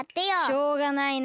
しょうがないな。